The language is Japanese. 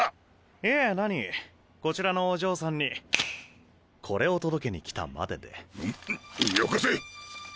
いえ何こちらのお嬢さんにこれを届けに来たまでで。よこせ！